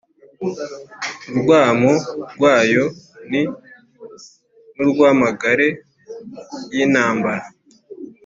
Urwamu rwayo ni nk’urw’amagare y’intambara